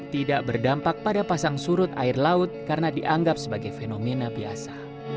tidak berdampak pada pasang surut air laut karena dianggap sebagai fenomena biasa